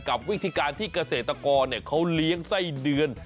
กับวิธีการที่เกษตรกรเขาเลี้ยงไส้เดือน